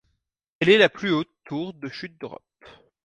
Elle est la plus haute tour de chute d'Europe.